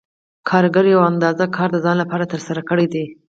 کارګر یوه اندازه کار د ځان لپاره ترسره کړی دی